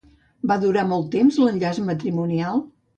Va durar molt de temps l'enllaç matrimonial?